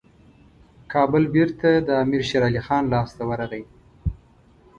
کابل بیرته د امیر شېرعلي خان لاسته ورغی.